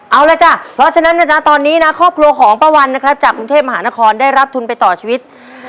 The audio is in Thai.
เอาละจ้ะเพราะฉะนั้นนะจ๊ะตอนนี้นะครอบครัวของป้าวันนะครับจากกรุงเทพมหานครได้รับทุนไปต่อชีวิต